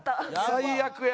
最悪や。